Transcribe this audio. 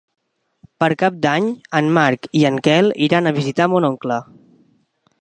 Per Cap d'Any en Marc i en Quel iran a visitar mon oncle.